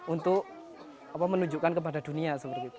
untuk menunjukkan kepada dunia